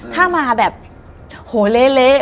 ถ้ามาแบบโหเละ